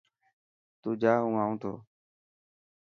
تو جا هون آنو ٿو.